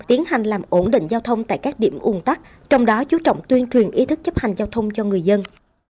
tiến hành làm ổn định giao thông tại các điểm ung tắc trong đó chú trọng tuyên truyền ý thức chấp hành giao thông cho người dân